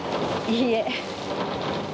いいえ。